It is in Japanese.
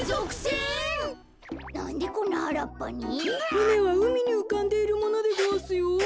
ふねはうみにうかんでいるものでごわすよ。